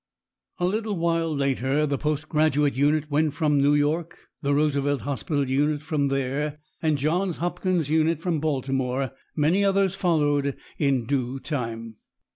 A little while later the Postgraduate unit went from New York, the Roosevelt Hospital unit from there, and the Johns Hopkins unit from Baltimore. Many others followed in due time.